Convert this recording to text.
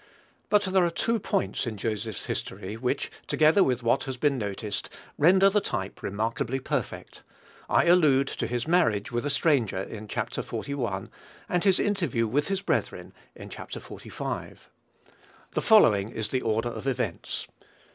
But there are two points in Joseph's history which, together with what has been noticed, render the type remarkably perfect; I allude to his marriage with a stranger in Chapter xli, and his interview with his brethren in Chapter xlv. The following is the order of events.